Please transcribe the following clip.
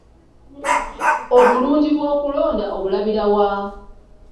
Obulungi bw'okulonda obulabira wa?